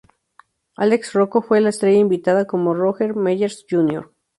Alex Rocco fue la estrella invitada como Roger Meyers, Jr.